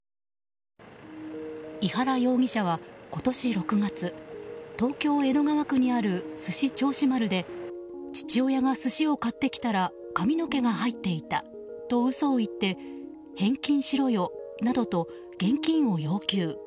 井原容疑者は今年６月東京・江戸川区にあるすし銚子丸で父親が寿司を買ってきたら髪の毛が入っていたと嘘を言って返金しろよなどと現金を要求。